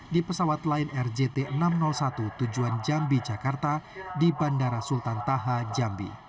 di pesawat lion air jt enam ratus satu tujuan jambi jakarta di bandara sultan taha jambi